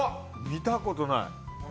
見たことない。